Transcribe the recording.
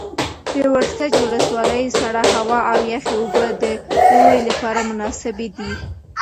د ورسج ولسوالۍ سړه هوا او یخې اوبه د اوړي لپاره مناسبې دي.